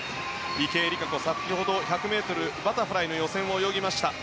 池江璃花子は先ほど１００ｍバタフライの予選を泳ぎました。